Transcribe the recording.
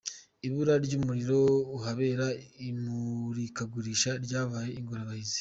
Ibura ry’umuriro ahabera imurikagurisha ryabaye ingorabahizi